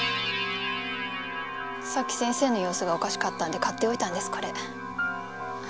さっき先生の様子がおかしかったんで買っておいたんですこれ。